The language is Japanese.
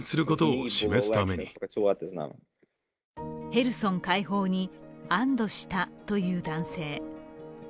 ヘルソン解放に安どしたという男性。